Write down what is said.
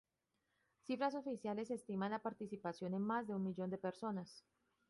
Cifras oficiales estiman la participación en más de un millón de personas.